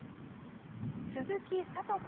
鈴木智子